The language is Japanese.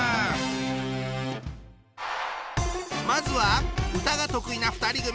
まずは歌が得意な２人組。